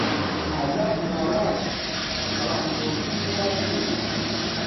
ئازاد لاوازە، بەڵام ڕۆژین وانییە.